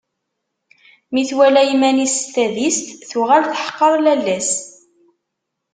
Mi twala iman-is s tadist, tuɣal teḥqer lalla-s.